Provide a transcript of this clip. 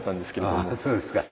ああそうですか。